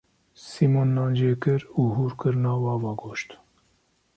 Sîmon nan jêkir û hûr kir nav ava goşt.